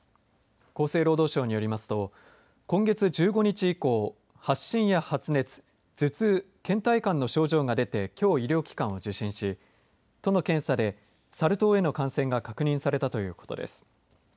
厚生労働省によりますと今月１５日以降、発しんや発熱頭痛、けん怠感の症状が出てきょう医療機関を受診し都の検査でサル痘への感染が確認されたということです。